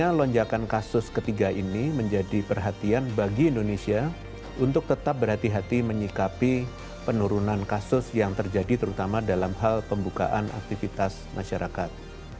karena lonjakan kasus ketiga ini menjadi perhatian bagi indonesia untuk tetap berhati hati menyikapi penurunan kasus yang terjadi terutama dalam hal pembukaan aktivitas masyarakat